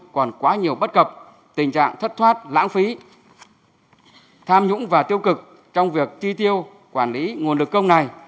còn quá nhiều bất cập tình trạng thất thoát lãng phí tham nhũng và tiêu cực trong việc chi tiêu quản lý nguồn lực công này